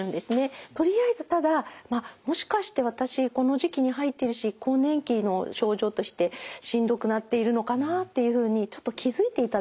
とりあえずただまあもしかして私この時期に入ってるし更年期の症状としてしんどくなっているのかなっていうふうにちょっと気付いていただく。